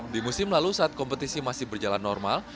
di musim lalu saat kompetisi masih berjalan normal